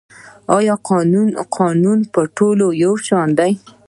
آیا قانون په ټولو یو شان دی؟